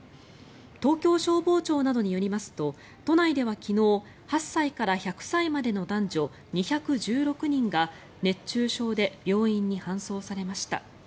東京消防庁などによりますと都内では昨日８歳から１００歳までの男女２１６人が熱中症で病院に搬送されました。